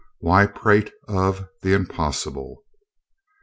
Why prate of "the impossible"?